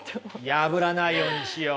破らないようにしよう。